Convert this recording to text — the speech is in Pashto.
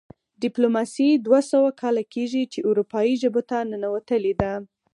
ډیپلوماسي دوه سوه کاله کیږي چې اروپايي ژبو ته ننوتلې ده